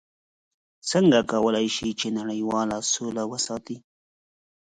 څنګه کولی شي چې نړیواله سوله وساتي؟